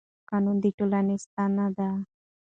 قانون د ټولنې ستن ده